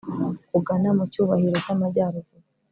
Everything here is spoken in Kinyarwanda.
kugana mu cyubahiro cyamajyaruguru